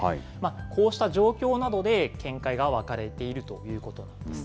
こうした状況などで、見解が分かれているということなんです。